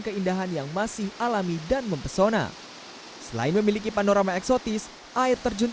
keindahan yang masih alami dan mempesona selain memiliki panorama eksotis air terjun